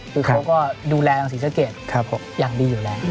คือเขาก็ดูแลสีสะเกียจอย่างดีอยู่แรง